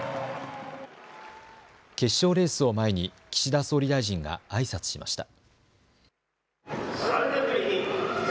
決勝レースを前に岸田総理大臣があいさつしました。